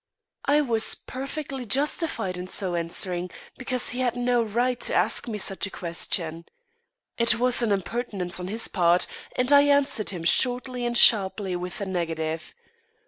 I was perfectly justified in so answering, because he had no right to ask me such a question. It was an impertinence on his part, and I answered him shortly and sharply with a negative.